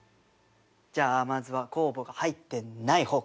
じゃあまずは酵母が入ってない方から。